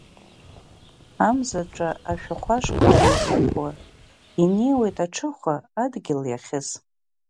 Амзаҿа ашәахәашқәа неихыхуа, инеиуеит аҽыхәа адгьыл иахьыс.